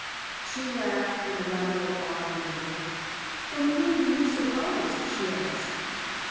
She laughed in rather an odd manner. "From whom do you suppose?" she asked.